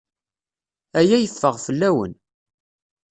Aya yeffeɣ fell-awen.